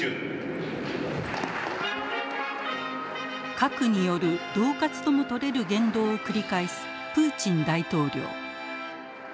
核による恫喝とも取れる言動を繰り返すプーチン大統領。